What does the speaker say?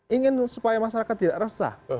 ingin supaya masyarakat tidak resah